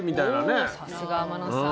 おおさすが天野さん。